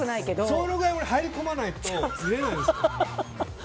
そのくらい入り込まないと見れないんですよ。